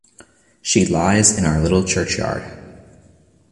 She lies in our little churchyard.